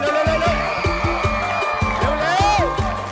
จับขาดจัดข้าง